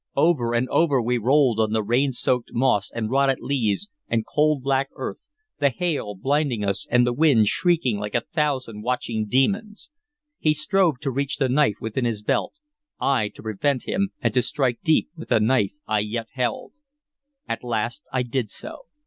Over and over we rolled on the rain soaked moss and rotted leaves and cold black earth, the hail blinding us, and the wind shrieking like a thousand watching demons. He strove to reach the knife within his belt; I, to prevent him, and to strike deep with the knife I yet held. At last I did so.